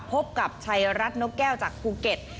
พบกับชัยรัฐนกแก้วจากภูเก็ต